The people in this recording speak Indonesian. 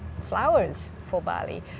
bunga untuk bali